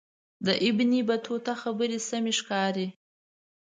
د ابن بطوطه خبرې سمې ښکاري.